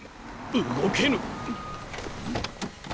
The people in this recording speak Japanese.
動けぬ！